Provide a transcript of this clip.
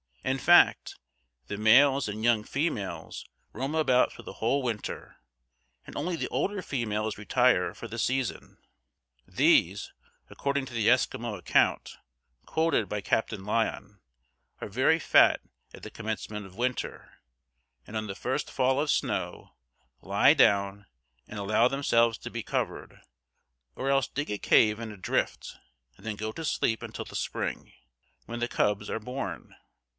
In fact, the males and young females roam about through the whole winter, and only the older females retire for the season. These according to the Eskimo account, quoted by Captain Lyon are very fat at the commencement of winter, and on the first fall of snow lie down and allow themselves to be covered, or else dig a cave in a drift, and then go to sleep until the spring, when the cubs are born.